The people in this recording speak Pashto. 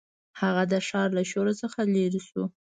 هغه د ښار له شور څخه لیرې شو.